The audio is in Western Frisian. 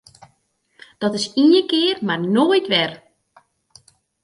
Dat is ien kear mar noait wer!